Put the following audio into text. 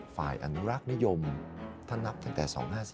ฝ่ายอนุรักษ์นิยมท่านนับตั้งแต่๒๕๔